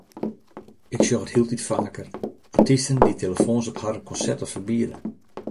Ik sjoch it hieltyd faker: artysten dy’t telefoans op harren konserten ferbiede.